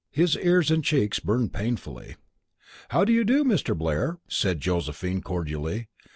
His ears and cheeks burned painfully. "How do you do, Mr. Blair," said Josephine, cordially.